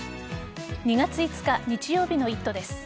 ２月５日日曜日の「イット！」です。